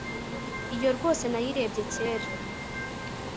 iyo rwose nayirebye kera